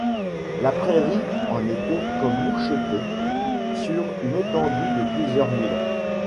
La prairie en était comme mouchetée sur une étendue de plusieurs milles.